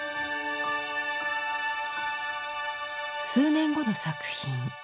数年後の作品。